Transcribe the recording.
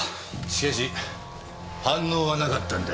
しかし反応はなかったんだよな。